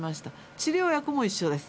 治療薬も一緒です。